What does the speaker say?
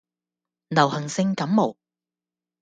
流行性感冒